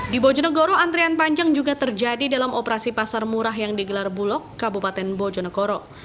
di bojonegoro antrian panjang juga terjadi dalam operasi pasar murah yang digelar bulog kabupaten bojonegoro